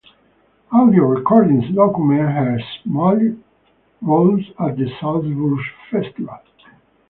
Audio recordings document her small roles at the Salzburg Festival.